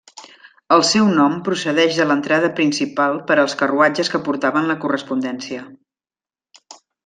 El seu nom procedeix de l'entrada principal per als carruatges que portaven la correspondència.